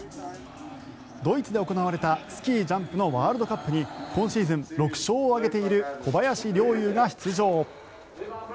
ドイツで行われたスキージャンプのワールドカップに今シーズン６勝を挙げている小林陵侑が出場。